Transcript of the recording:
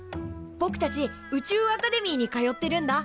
ぼくたち宇宙アカデミーに通ってるんだ。